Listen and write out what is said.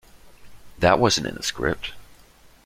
That wasn't in the script.